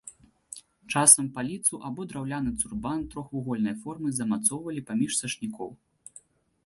Часам паліцу або драўляны цурбан трохвугольнай формы замацоўвалі паміж сашнікоў.